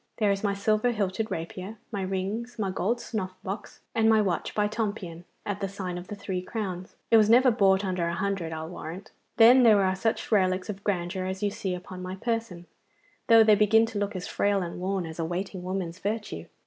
There is my silver hilted rapier, my rings, my gold snuff box, and my watch by Tompion at the sign of the Three Crowns. It was never bought under a hundred, I'll warrant. Then there are such relics of grandeur as you see upon my person, though they begin to look as frail and worn as a waiting woman's virtue.